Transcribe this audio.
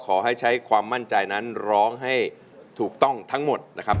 ขอให้ใช้ความมั่นใจนั้นร้องให้ถูกต้องทั้งหมดนะครับ